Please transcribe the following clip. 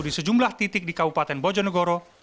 di sejumlah titik di kabupaten bojonegoro